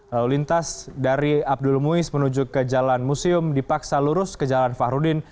lalu lintas dari abdul muiz menuju ke jalan museum dipaksa lurus ke jalan fahrudin